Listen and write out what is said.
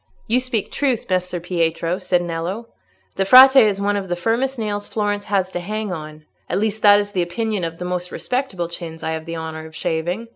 "You speak truth, Messer Pietro," said Nello; "the Frate is one of the firmest nails Florence has to hang on—at least, that is the opinion of the most respectable chins I have the honour of shaving.